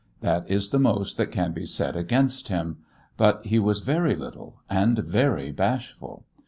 That is the most that can be said against him; but he was very little and very bashful.